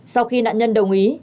sau khi nạn nhân đồng ý